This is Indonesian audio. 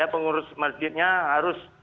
pengurus masjidnya harus